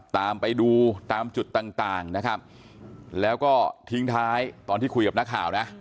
ตามไปดูตามจุดต่างต่างนะครับแล้วก็ทิ้งท้ายตอนที่คุยกับนักข่าวนะ